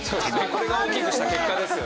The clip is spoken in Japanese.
これが大きくした結果ですよね。